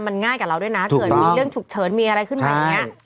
มันง่ายกับเราด้วยนะเกิดมีเรื่องฉุกเฉินมีอะไรขึ้นมาอย่างนี้